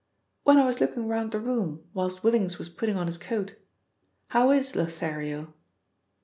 "When I was looking round the room whilst Willings was putting on his coat. How is Lothario?"